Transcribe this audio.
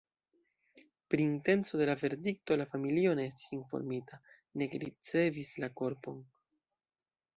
Pri intenco de la verdikto la familio ne estis informita, nek ricevis la korpon.